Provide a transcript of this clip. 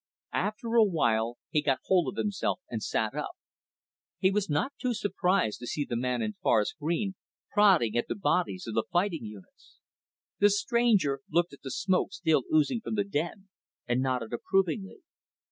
After a while he got hold of himself and sat up. He was not too surprised to see the man in forest green prodding at the bodies of the fighting units. The stranger looked at the smoke still oozing from the den and nodded approvingly.